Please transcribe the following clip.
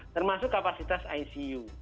termasuk kapasitas icu